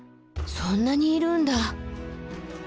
そんなにいるんだ。